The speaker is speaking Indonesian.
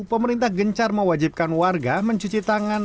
pemerintah gencar mewajibkan warga mencuci tangan